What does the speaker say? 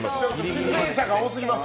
出演者が多すぎます！